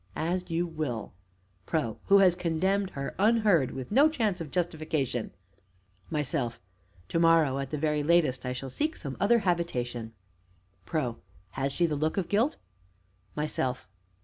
As you will. PRO. who has condemned her unheard with no chance of justification. MYSELF. To morrow, at the very latest, I shall seek some other habitation. PRO. Has she the look of guilt? MYSELF.